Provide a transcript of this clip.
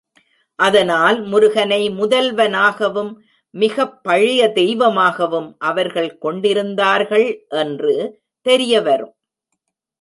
அதனால் முருகனை முதல்வனாகவும் மிகப் பழைய தெய்வமாகவும் அவர்கள் கொண்டிருந்தார்கள் என்று தெரியவரும்.